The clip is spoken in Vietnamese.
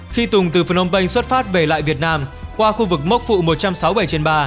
khi tùng từ phnom penh xuất phát về lại việt nam qua khu vực mốc phụ một trăm sáu mươi bảy trên ba